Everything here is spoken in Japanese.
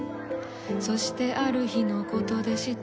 そしてある日のことでした。